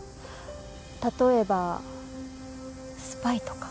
例えばスパイとか。